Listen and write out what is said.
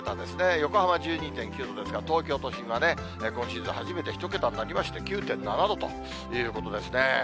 横浜１２．９度ですから、東京都心は今シーズン初めて１桁になりまして、９．７度ということですね。